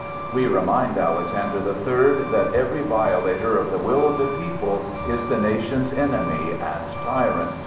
We remind Alexander the Third that every violator of the will of the people is the nation's enemy and tyrant.